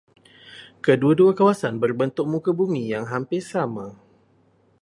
Kedua-dua kawasan berbentuk muka bumi yang hampir sama.